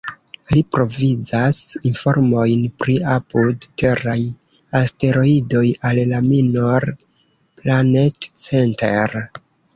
Li provizas informojn pri apud-teraj asteroidoj al la "Minor Planet Center".